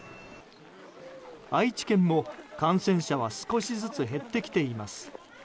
愛知県も感染者は少しずつ減ってきています。